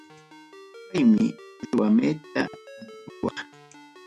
Kaymi ruwamuyta atiwaq.